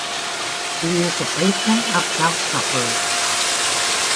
He is the patron of gout sufferers.